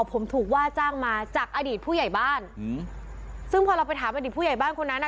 ผมถูกว่าจ้างมาจากอดีตผู้ใหญ่บ้านอืมซึ่งพอเราไปถามอดีตผู้ใหญ่บ้านคนนั้นอ่ะ